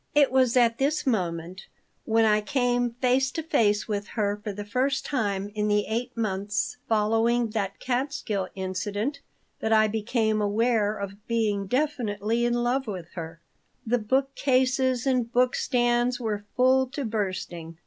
It was at this moment, when I came face to face with her for the first time in the eight months following that Catskill incident, that I became aware of being definitely in love with her The book cases and book stands were full to bursting.